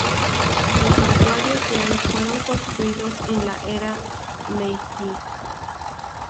Los santuarios de hoy fueron construidos en la era Meiji.